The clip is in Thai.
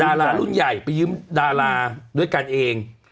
ดารารุ่นใหญ่ไปยืมดาราด้วยกันเอง